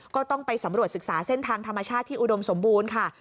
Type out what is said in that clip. ก็ต้องไปสำรวจศึกษาเส้นทางธรรมชาติที่อุดมสมบูรณ์ค่ะ